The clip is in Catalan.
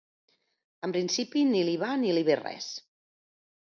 En principi, ni li va ni li ve res.